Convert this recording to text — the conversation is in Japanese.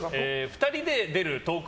２人で出るトーク